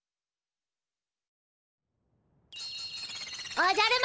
おじゃる丸。